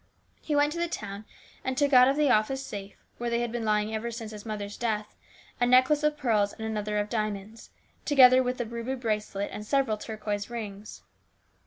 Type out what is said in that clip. He went to the town, and took out of the office safe, where they had been lying ever since his mother's death, a necklace of pearls and another of diamonds, together with a ruby bracelet and several turquoise rings.